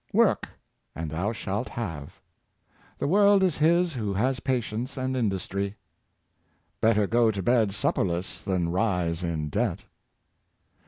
"Work and thou shalt have." " The world is his who has patience and industry." " Better go to bed supperless than rise in debt."